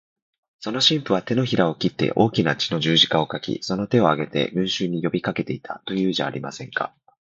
その神父は、てのひらを切って大きな血の十字架を書き、その手を上げて、群集に呼びかけていた、というじゃありませんか。